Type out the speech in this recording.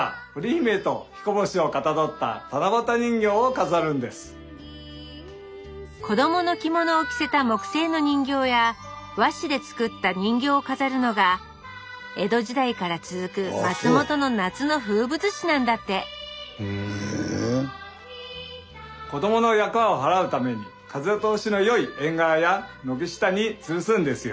松本では子どもの着物を着せた木製の人形や和紙で作った人形を飾るのが江戸時代から続く松本の夏の風物詩なんだって子どもの厄を払うために風通しのよい縁側や軒下につるすんですよ。